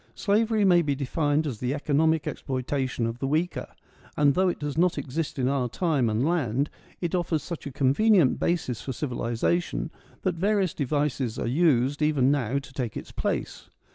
Slavery may be defined as the economic exploita tion of the weaker ; and, though it does not exist in our time and land, it offers such a convenient basis for civilisation that various devices are used even now to take its place.